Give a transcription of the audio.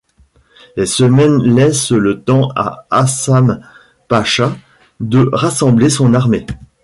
Ces semaines laissent le temps à Hassan Pacha de rassembler son armée.